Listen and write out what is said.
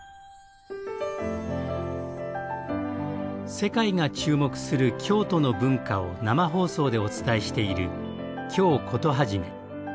世界が注目する京都の文化を生放送でお伝えしている「京コトはじめ」。